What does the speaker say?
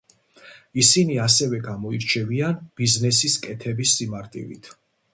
ისინი ასევე გამოირჩევიან ბიზნესის კეთების სიმარტივით.